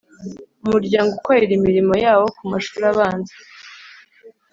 Umuryango ukorera imirimo yawo ku mashuri abanza